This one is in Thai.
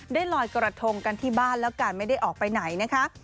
ลอยกระทงกันที่บ้านแล้วกันไม่ได้ออกไปไหนนะคะ